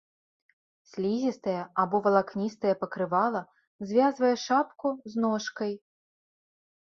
Слізістае або валакністае пакрывала звязвае шапку з ножкай.